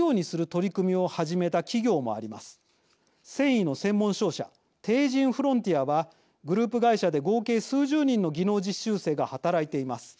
繊維の専門商社帝人フロンティアはグループ会社で合計数十人の技能実習生が働いています。